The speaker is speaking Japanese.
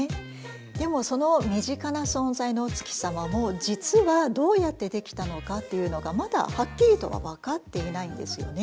でもその身近な存在のお月様も実はどうやってできたのかっていうのがまだはっきりとは分かっていないんですよね。